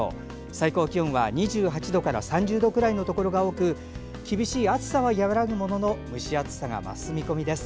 最高気温は２８度から３０度くらいのところが多く厳しい暑さは和らぐものの蒸し暑さが増す見込みです。